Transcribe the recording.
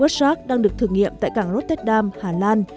west shark đang được thử nghiệm tại cảng rotterdam hà lan